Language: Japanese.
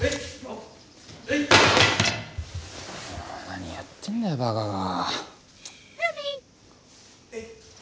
何やってんだよバカが。